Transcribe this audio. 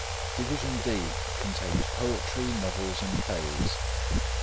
Division D contains Poetry, Novels, and Plays.